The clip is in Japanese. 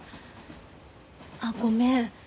あっごめん。